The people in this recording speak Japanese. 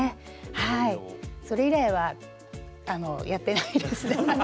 それ以来はあのやってないですね。